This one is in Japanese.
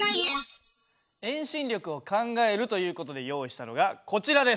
遠心力を考えるという事で用意したのがこちらです。